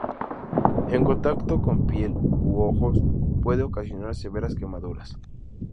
En contacto con piel u ojos puede ocasionar severas quemaduras.